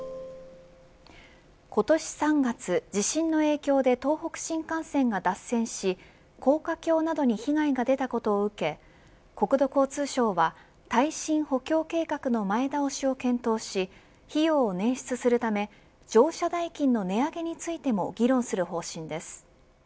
今年３月、地震の影響で東北新幹線が脱線し高架橋などに被害が出たことを受け国土交通省は耐震補強計画の前倒しを検討し費用を捻出するため乗車代金の値上げについても議論する方針です。